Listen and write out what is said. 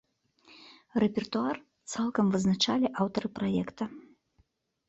Рэпертуар цалкам вызначалі аўтары праекта.